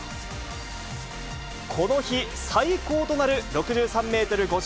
この日最高となる６３メートル５６。